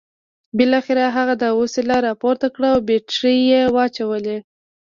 بالاخره هغه دا وسیله راپورته کړه او بیټرۍ یې واچولې